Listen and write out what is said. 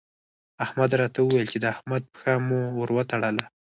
احمد راته وويل چې د احمد پښه مو ور وتړله.